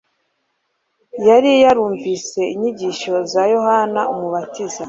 Yari yarumvise inyigisho za Yohana Umubatiza,